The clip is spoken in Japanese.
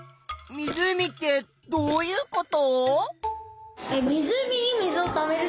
湖ってどういうこと？